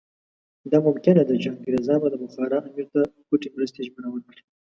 دا ممکنه ده چې انګریزان به د بخارا امیر ته پټې مرستې ژمنه ورکړي.